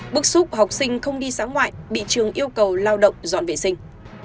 bức xúc học sinh không đi sáng ngoại bị trường yêu cầu lao động dọn vệ sinh